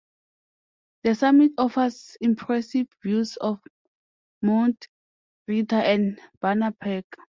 The summit offers impressive views of Mount Ritter and Banner Peak.